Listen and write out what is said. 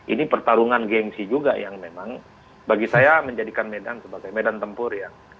ini pertarungan gengsi juga yang memang bagi saya menjadikan medan sebagai medan tempur ya